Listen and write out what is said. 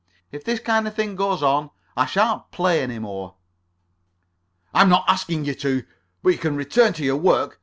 If this kind of thing goes on, I shan't play any more." "I'm not asking you to. But you can return to your work.